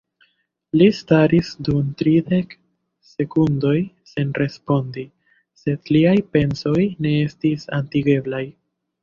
Li staris dum tridek sekundoj sen respondi, sed liaj pensoj ne estis atingeblaj.